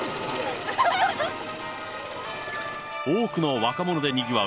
多くの若者でにぎわう